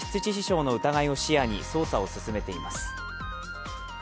警察は、業務上過失致死傷の疑いを視野に、捜査を進めています。